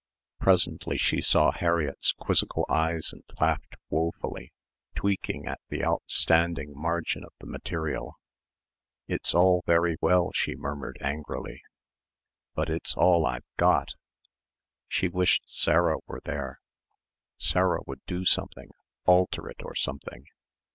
Presently she saw Harriett's quizzical eyes and laughed woefully, tweaking at the outstanding margin of the material. "It's all very well," she murmured angrily, "but it's all I've got." ... She wished Sarah were there. Sarah would do something, alter it or something.